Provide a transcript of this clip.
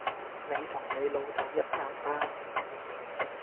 你同你老豆一擔擔